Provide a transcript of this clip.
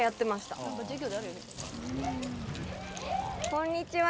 こんにちは。